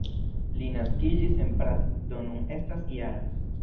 Li naskiĝis en Prato, do nun estas -jara.